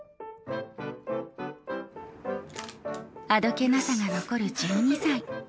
あどけなさが残る１２歳。